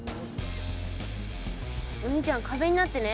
お兄ちゃん壁になってね。